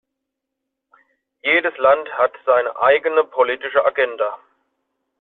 Jedes Land hat seine eigene politische Agenda.